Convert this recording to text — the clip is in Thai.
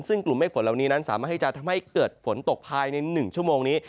ซึ่งกลุ่มเมฆฝนเหล่านี้นั้นสามารถที่จะทำให้เกิดฝนตกภายใน๑ชั่วโมงนี้